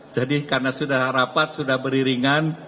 jadi karena sudah rapat sudah beriringan